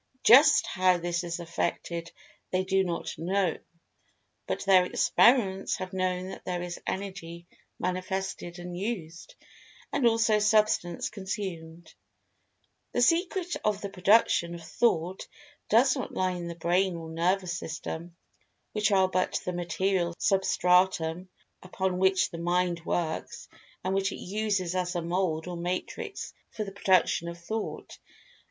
Just how this is effected, they do not know, but their experiments have shown that there is Energy manifested and used, and also Substance consumed.[Pg 212] The secret of the production of Thought does not lie in the Brain or nervous system, which are but the material substratum upon which the Mind works, and which it uses as a mold or matrix for the production of Thought.